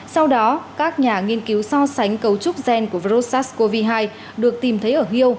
sau đó các nhà nghiên cứu so sánh cấu trúc gen của virus sars cov hai được tìm thấy ở hiêu